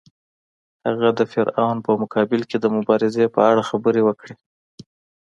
هغه د فرعون په مقابل کې د مبارزې په اړه خبرې وکړې.